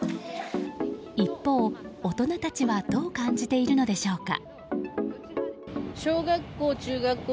一方、大人たちはどう感じているのでしょうか。